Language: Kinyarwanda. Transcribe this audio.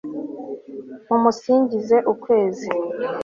mumusingize, ukwezi